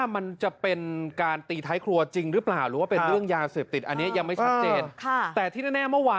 มันไม่ตายดีนะ